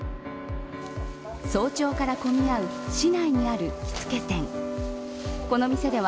早朝から混み合う市内にある着付け店。